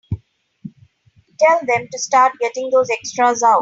Tell them to start getting those extras out.